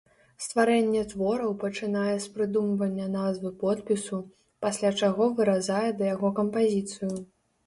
Стварэнне твораў пачынае з прыдумвання назвы-подпісу, пасля чаго выразае да яго кампазіцыю.